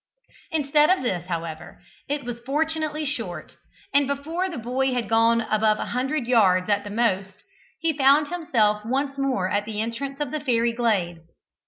Instead of this, however, it was fortunately short, and before the boy had gone above a hundred yards at the most, he found himself once more at the entrance of the fairy glade.